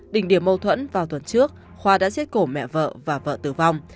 đỉnh điểm mâu thuẫn vào tuần trước khoa đã giết cổ mẹ vợ và vợ tử vong